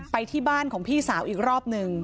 ไปที่บ้านของพี่สาวอีกรอบหนึ่ง